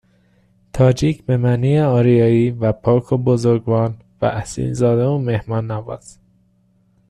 تاجیک به معنی آریایی و پاک و بزرگوار و اصیلزاده و میهماننواز